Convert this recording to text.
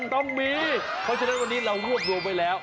ต้องมีเพราะฉะนั้นวันนี้เรารวบรวมไว้แล้ว